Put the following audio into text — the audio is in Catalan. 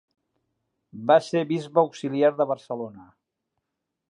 Va ser bisbe auxiliar de Barcelona.